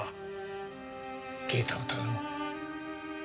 啓太を頼む。